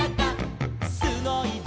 「すごいぞ！